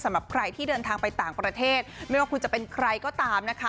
สำหรับใครที่เดินทางไปต่างประเทศไม่ว่าคุณจะเป็นใครก็ตามนะคะ